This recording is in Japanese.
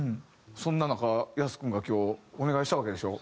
そんな中ヤス君が今日お願いしたわけでしょ？